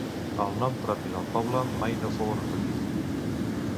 El nom propi del poble mai no fou recollit.